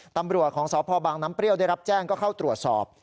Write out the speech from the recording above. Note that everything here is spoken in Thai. ตำรวจของสพบางน้ำเปรี้ยวได้รับแจ้งก็เข้าตรวจสอบ